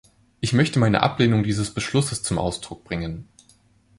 Ich möchte meine Ablehnung dieses Beschlusses zum Ausdruck bringen.